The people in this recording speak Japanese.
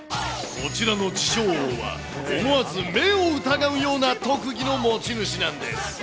こちらの自称王は思わず目を疑うような特技の持ち主なんです。